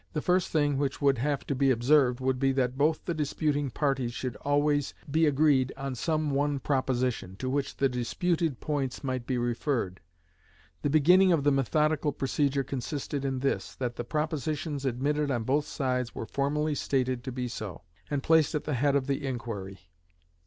The first thing which would have to be observed would be that both the disputing parties should always be agreed on some one proposition, to which the disputed points might be referred. The beginning of the methodical procedure consisted in this, that the propositions admitted on both sides were formally stated to be so, and placed at the head of the inquiry.